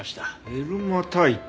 エルマタイト？